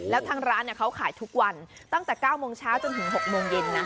แล้วทางร้านเขาขายทุกวันตั้งแต่๙โมงเช้าจนถึง๖โมงเย็นนะ